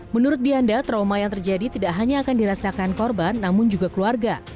menurut dianda trauma yang terjadi tidak hanya akan dirasakan korban namun juga keluarga